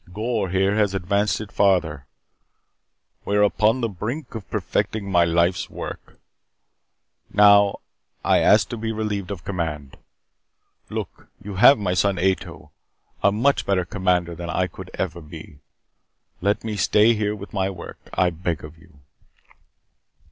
Gor here has advanced it farther. We are upon the brink of perfecting my life's work. Now, I ask that I be relieved of command. Look, you have my son Ato. A much better commander than I could ever be. Let me stay here with my work, I beg of you."